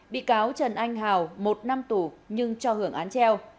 bị cáo trần anh hào một năm tù nhưng cho hưởng án treo